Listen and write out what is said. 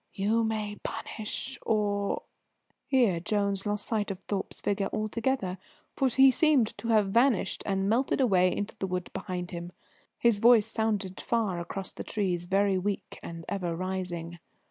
"You may punish or " Here Jones lost sight of Thorpe's figure altogether, for he seemed to have vanished and melted away into the wood behind him. His voice sounded far across the trees, very weak, and ever rising.